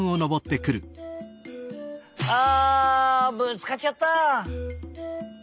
ああぶつかっちゃった。